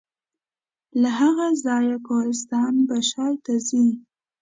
له هغه ځایه کوهستان بشای ته ځي.